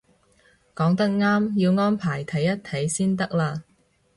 講得啱，要安排睇一睇先得嘞